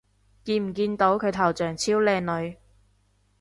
見唔見到佢頭像超靚女